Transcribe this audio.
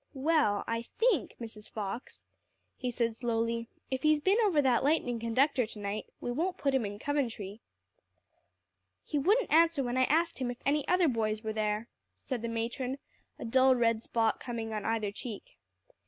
"Well, I think, Mrs. Fox," he said slowly, "if he's been over that lightning conductor to night, we won't put him in Coventry." "He wouldn't answer when I asked him if any other boys were there," said the matron, a dull red spot coming on either cheek.